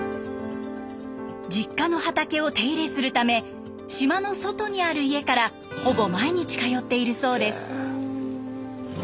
実家の畑を手入れするため島の外にある家からほぼ毎日通っているそうです。